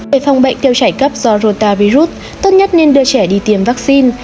để phòng bệnh tiêu chảy cấp do rotavirus tốt nhất nên đưa trẻ đi tiêm vaccine